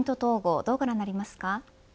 どうご覧になりますか。